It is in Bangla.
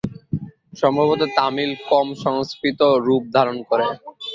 সম্ভবত তামিল কম সংস্কৃত রূপ ধারণ করে।